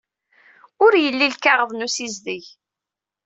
Ur yelli lkaɣeḍ n ussizdeg.